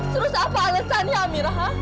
terus apa alesannya amira